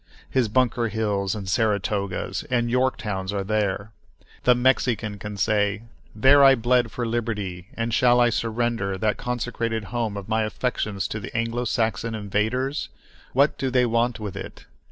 His Bunker Hills, and Saratogas, and Yorktowns are there. The Mexican can say, "There I bled for liberty! and shall I surrender that consecrated home of my affections to the Anglo Saxon invaders? What do they want with it?